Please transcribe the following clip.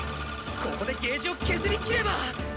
ここでゲージを削りきれば。